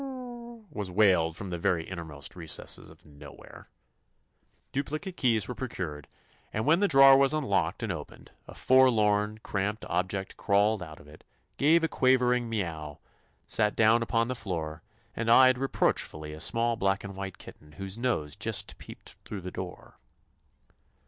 was wailed from the very innermost recesses of nowhere. Duplicate keys were procured, and when the drawer was unlocked and 127 THE ADVENTURES OF opened, a forlorn, cramped object crawled out of it, gave a quavering ''Meow," sat down upon the floor, and eyed reproachfully a small black and white kitten whose nose just peeped through the door.